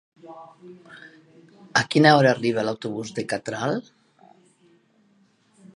A quina hora arriba l'autobús de Catral?